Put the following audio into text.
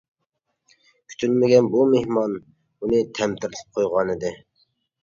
كۈتۈلمىگەن بۇ مېھمان ئۇنى تەمتىرىتىپ قويغانىدى.